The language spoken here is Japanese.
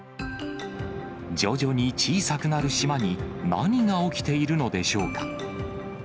徐々に小さくなる島に、何が起きているのでしょうか。